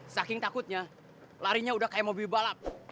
saking takutnya larinya udah kayak mobil balap